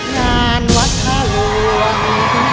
งานวัดท่าหลวง